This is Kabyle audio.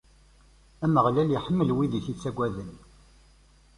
Ameɣlal iḥemmel wid i t-ittaggaden.